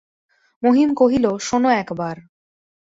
মহিম কহিল, শোনো একবার!